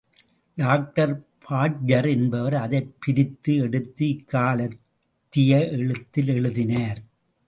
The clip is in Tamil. டாக்டர் பாட்ஜர் என்பவர் அதைப் பிரித்து எடுத்து இக்காலத்திய எழுத்தில் எழுதினார்.